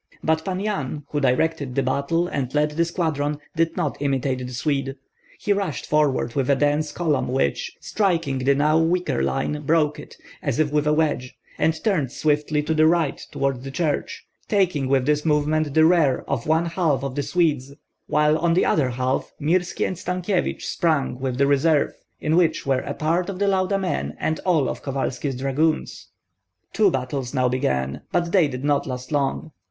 But Pan Yan, who directed the battle and led the squadron, did not imitate the Swede; he rushed forward with a dense column which, striking the now weaker line, broke it, as if with a wedge, and turned swiftly to the right toward the church, taking with this movement the rear of one half of the Swedes, while on the other half Mirski and Stankyevich sprang with the reserve in which were a part of the Lauda men and all of Kovalski's dragoons. Two battles now began; but they did not last long.